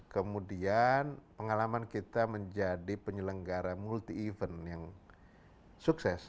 kemudian pengalaman kita menjadi penyelenggara multi event yang sukses